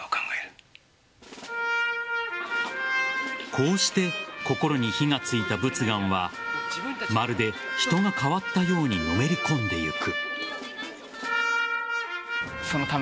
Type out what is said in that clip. こうして心に火がついた佛願はまるで人が変わったようにのめり込んでいく。